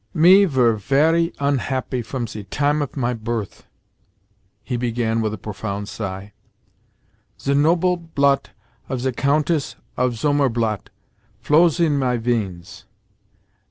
"Me vere very unhappy from ze time of my birth," he began with a profound sigh. "Ze noble blot of ze Countess of Zomerblat flows in my veins.